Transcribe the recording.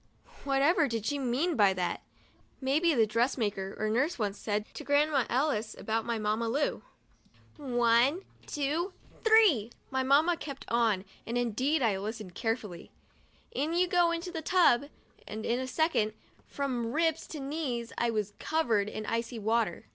Whatever did she mean by that ? Maybe the dressmaker or nurse once said that to Grandma Ellis about my Mamma Lu. 17 THE DIARY OF A BIRTHDAY DOLL 'One, two, three!' my Mamma kept on, and indeed I listened carefully, "in you go into the tub,'* and in a second, from ribs to knees, I was covered with icy water.